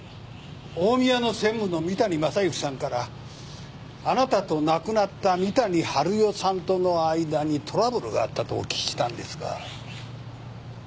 近江屋の専務の三谷昌幸さんからあなたと亡くなった三谷治代さんとの間にトラブルがあったとお聞きしたんですが。